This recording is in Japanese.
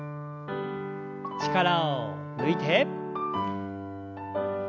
力を抜いて。